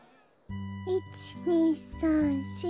１２３４。